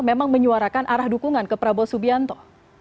memang menyuarakan arah dukungan ke prabowo subianto